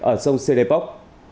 ở sông sê đê pốc